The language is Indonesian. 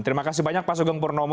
terima kasih banyak pak sugeng purnomo